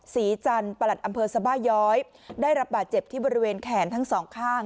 ศรีจันทร์ประหลัดอำเภอสบาย้อยได้รับบาดเจ็บที่บริเวณแขนทั้งสองข้าง